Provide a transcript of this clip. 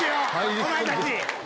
お前たち。